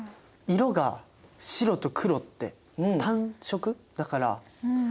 色が白と黒って単色だから大島紬？